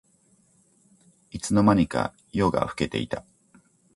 いつの間にか夜が更けていた